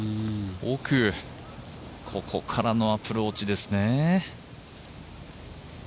奥、ここからのアプローチですね。